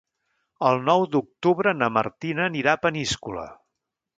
El nou d'octubre na Martina anirà a Peníscola.